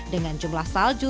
dengan jumlah salju